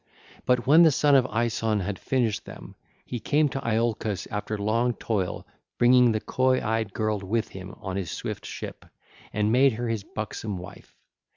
But when the son of Aeson had finished them, he came to Iolcus after long toil bringing the coy eyed girl with him on his swift ship, and made her his buxom wife.